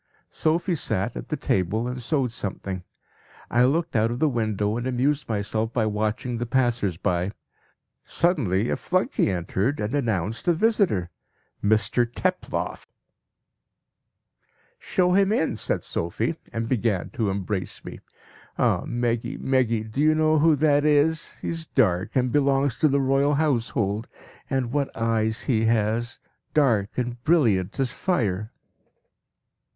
"Sophie sat at the table and sewed something. I looked out of the window and amused myself by watching the passers by. Suddenly a flunkey entered and announced a visitor 'Mr Teploff.' "'Show him in!' said Sophie, and began to embrace me. 'Ah! Meggy, Meggy, do you know who that is? He is dark, and belongs to the Royal Household; and what eyes he has! Dark and brilliant as fire.'